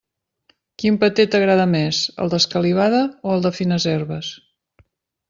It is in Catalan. Quin paté t'agrada més, el d'escalivada o el de fines herbes?